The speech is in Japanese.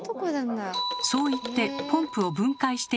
そう言ってポンプを分解していく永田さん。